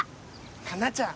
花奈ちゃん。